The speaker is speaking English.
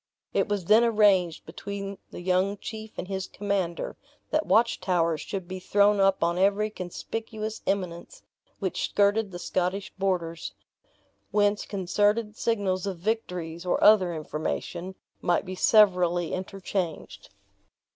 It was then arranged between the young chief and his commander that watchtowers should be thrown up on every conspicuous eminence which skirted the Scottish borders; whence concerted signals of victories, or other information, might be severally interchanged.